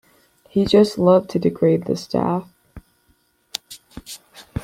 He just loved to degrade the staff.